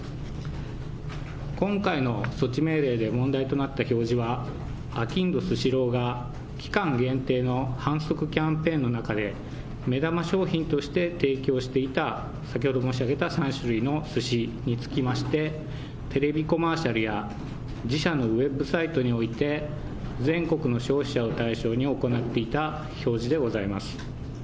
今回の措置命令で問題となった表示は、あきんどスシローが、期間限定の販促キャンペーンの中で、目玉商品として提供していた、先ほど申し上げた３種類のすしにつきまして、テレビコマーシャルや、自社のウェブサイトにおいて全国の消費者を対象に行っていた表示でございます。